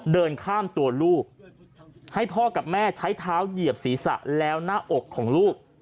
เดินข้ามตัวลูกให้พ่อกับแม่ใช้เท้าเหยียบศีรษะแล้วหน้าอกของลูก